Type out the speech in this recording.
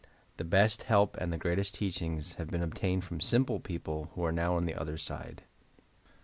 The best help and the greatest teachings have been obtained from simple people who are now on the other side.